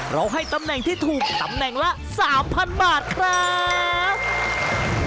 ให้ตำแหน่งที่ถูกตำแหน่งละ๓๐๐บาทครับ